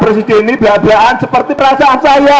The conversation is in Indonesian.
pak presiden ini bela belaan seperti perasaan saya